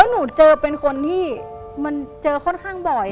หนูเจอเป็นคนที่มันเจอค่อนข้างบ่อย